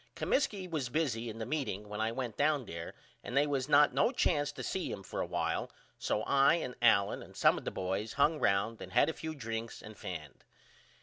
Comiskey was busy in the meeting when I went down there and they was not no chance to see him for a while so I and Allen and some of the boys hung round and had a few drinks and fanned.